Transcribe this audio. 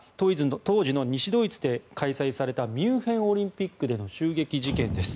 当時の西ドイツで開催されたミュンヘンオリンピックでの襲撃事件です。